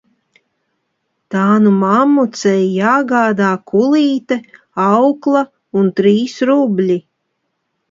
Tā nu mammucei jāgādā kulīte, aukla un trīs rubļi.